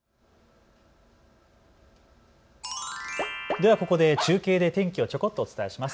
ではここで中継で天気をちょこっとお伝えします。